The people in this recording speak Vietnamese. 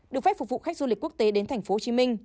được phép phục vụ khách du lịch quốc tế đến tp hcm